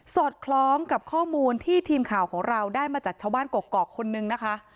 อดคล้องกับข้อมูลที่ทีมข่าวของเราได้มาจากชาวบ้านกรอกคนนึงนะคะ